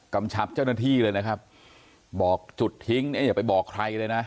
กำชับเจ้าหน้าที่เลยนะครับบอกจุดทิ้งเนี่ยอย่าไปบอกใครเลยนะ